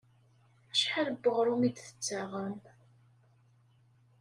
Acḥal n weɣrum i d-tettaɣem?